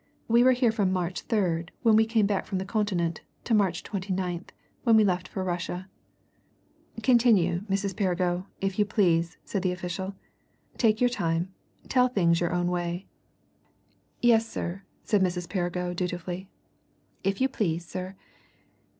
"We were here from March 3rd, when we came back from the Continent, to March 29th, when we left for Russia." "Continue, Mrs. Perrigo, if you please," said the official. "Take your time tell things your own way." "Yes, sir," said Mrs. Perrigo dutifully. "If you please, sir.